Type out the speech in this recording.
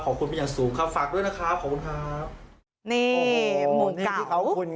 ขอบคุณเป็นอย่างสูงครับฝากด้วยนะครับขอบคุณครับนี่ขอบคุณ